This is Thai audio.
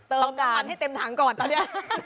ต้องการให้เต็มถังก่อนตอนนี้